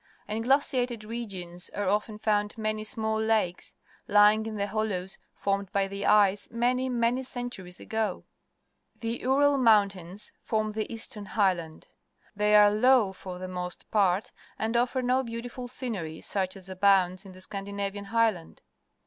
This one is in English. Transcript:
In glaciated regions are often found many small lakes, Ijnng in the hollows formed by the ice many, many centuries ago. The Ural Mountains form the Eastern Higldand. They are low, for the most part, and offer no beautiful scenerj' such as a bounds in the Scan dinavian Highland.